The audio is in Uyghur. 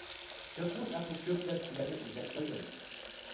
كۆپنىڭ ئەقلى كۆپ دەپ سىلەرنى ئىزدەپ كەلدىم.